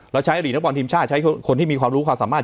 ใช้อดีตนักบอลทีมชาติใช้คนที่มีความรู้ความสามารถ